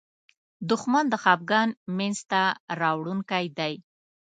دښمن د خپګان مینځ ته راوړونکی دی